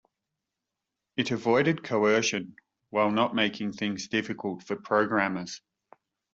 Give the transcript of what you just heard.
It avoided coercion while not making things difficult for programmers.